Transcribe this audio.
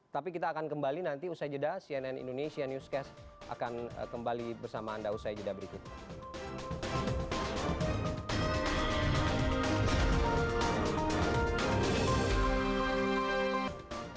tapi kita akan kembali nanti usai jeda cnn indonesia newscast akan kembali bersama anda usai jeda berikut